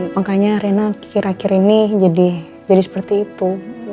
makanya rena kira kira ini jadi seperti itu